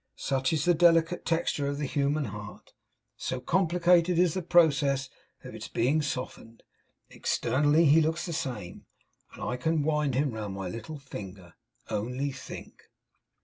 Such is the delicate texture of the human heart; so complicated is the process of its being softened! Externally he looks the same, and I can wind him round my little finger. Only think!